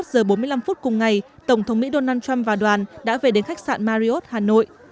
hai mươi giờ bốn mươi năm phút cùng ngày tổng thống mỹ donald trump và đoàn đã về đến khách sạn mariot hà nội